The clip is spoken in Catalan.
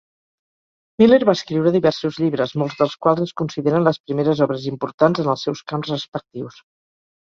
Miller va escriure diversos llibres, molts dels quals es consideren les primeres obres importants en els seus camps respectius.